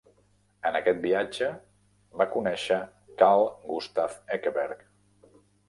En aquest viatge va conèixer Carl Gustaf Ekeberg.